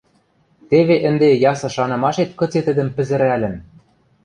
Теве ӹнде ясы шанымашет кыце тӹдӹм пӹзӹрӓлӹн!